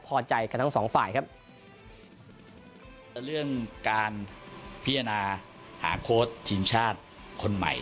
พอใจกันทั้งสองฝ่ายครับแต่เรื่องการพิจารณาหาโค้ชทีมชาติคนใหม่